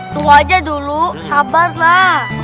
tua aja dulu sabar lah